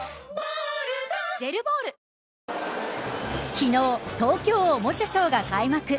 昨日東京おもちゃショーが開幕。